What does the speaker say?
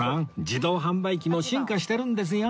自動販売機も進化してるんですよ